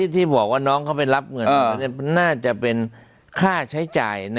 ที่บอกว่าน้องเขาไปรับเงินน่าจะเป็นค่าใช้จ่าย